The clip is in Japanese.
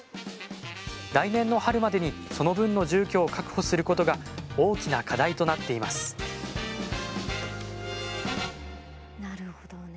来年の春までにその分の住居を確保することが大きな課題となっていますなるほどね。